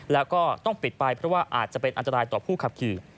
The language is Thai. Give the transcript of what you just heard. แล้วก็ต้องปิดไปเพราะว่าอาจจะเป็นอันตรายต่อผู้ขับขี่